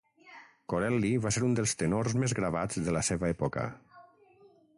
Corelli va ser un dels tenors més gravats de la seva època.